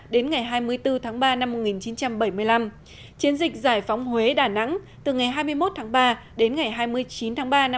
đến ngày hai mươi bốn tháng ba năm một nghìn chín trăm bảy mươi năm chiến dịch giải phóng huế đà nẵng từ ngày hai mươi một tháng ba đến ngày hai mươi chín tháng ba năm một nghìn chín trăm bảy mươi năm